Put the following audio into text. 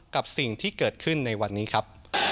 กับสิ่งที่เกิดขึ้นในวันนี้ครับ